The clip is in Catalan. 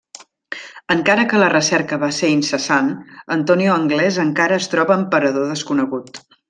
Encara que la recerca va ser incessant, Antonio Anglés encara es troba en parador desconegut.